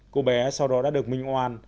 cô bé sau đó đã được minh oan